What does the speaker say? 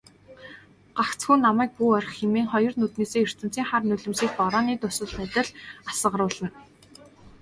"Гагцхүү намайг бүү орхи" хэмээн хоёр нүднээсээ ертөнцийн хар нулимсыг борооны дусал адил асгаруулна.